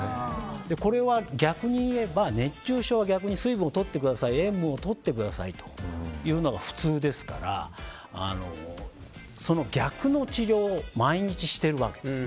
これは逆にいえば熱中症は水分を取ってください塩分を取ってくださいというのが普通ですから、その逆の治療を毎日しているわけです。